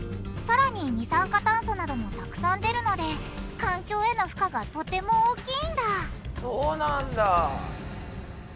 さらに二酸化炭素などもたくさん出るので環境への負荷がとても大きいんだ！